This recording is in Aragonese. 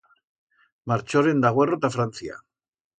Marchoren d'agüerro ta Francia.